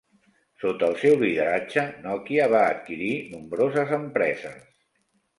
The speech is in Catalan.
Sota el seu lideratge, Nokia va adquirir nombroses empreses.